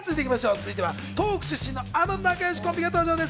続いては東北出身のあの仲よしコンビが登場です。